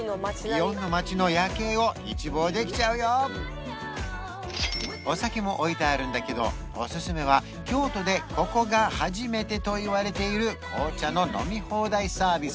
祇園の町の夜景を一望できちゃうよお酒も置いてあるんだけどおすすめは京都でここが初めてといわれている紅茶の飲み放題サービス